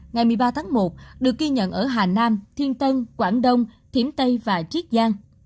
ngày một mươi ba tháng một được ghi nhận ở hà nam thiên tân quảng đông thiểm tây và triết giang